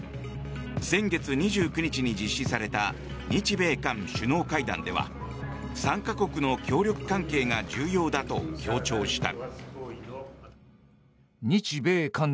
先月２９日に実施された日米韓首脳会談では３か国の協力関係が重要だと強調した。